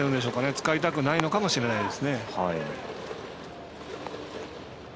使いたくないのかもしれないです。